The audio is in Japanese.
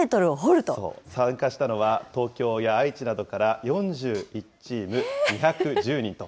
参加したのは、東京や愛知などから４１チーム、２１０人と。